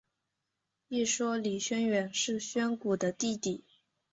一说李宣远是宣古的弟弟。